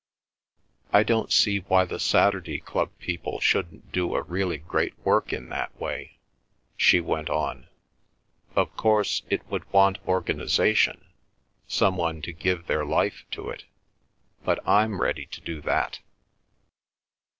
"I don't see why the Saturday club people shouldn't do a really great work in that way," she went on. "Of course it would want organisation, some one to give their life to it, but I'm ready to do that.